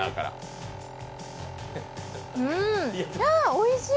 おいしい！